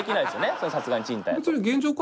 それ、さすがに賃貸だと。